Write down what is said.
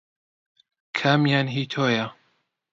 کامیان هی تۆیە؟